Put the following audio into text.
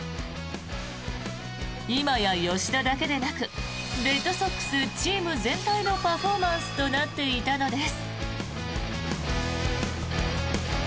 今や吉田だけでなくレッドソックスチーム全体のパフォーマンスとなっていたのです。